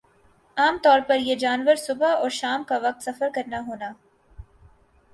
عام طور پر یِہ جانور صبح اور شام کا وقت سفر کرنا ہونا